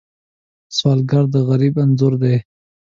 سوالګر د غربت انځور دی